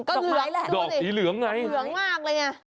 ก็เหลืองดอกนี้เหลืองไงดอกไม้แหละหลอกเหลืองมากเลย